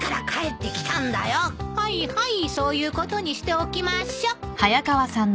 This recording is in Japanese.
はいはいそういうことにしておきましょ。